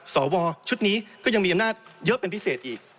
สวชุดนี้ก็ยังมีอำนาจเยอะเป็นพิเศษอีก